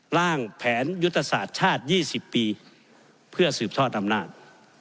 ร่างแผนยุทธศาสตร์ชาติ๒๐ปีเพื่อสืบทอดอำนาจ